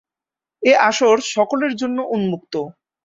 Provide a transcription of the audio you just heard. এই আসর সকলে জন্য উন্মুক্ত।